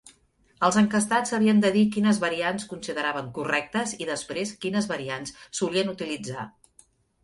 Els enquestats havien de dir quines variants consideraven correctes i després quines variants solien utilitzar.